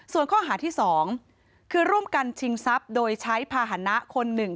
ส่วนข้อหาที่๒คือร่วมกันชิงทรัพย์โดยใช้ภาษณะคนหนึ่ง